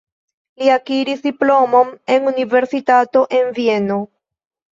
Li akiris diplomon en universitato en Vieno.